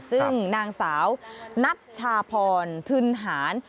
ซึ่งนางสาวนัชชาพรทึนหาร